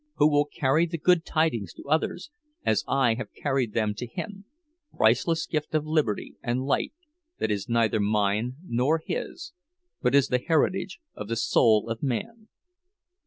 Who will carry the good tidings to others, as I have carried them to him—priceless gift of liberty and light that is neither mine nor his, but is the heritage of the soul of man!